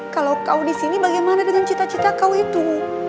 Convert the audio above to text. kalau kau disini bagaimana dengan cita cita kau itu